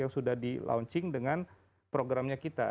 yang sudah di launching dengan programnya kita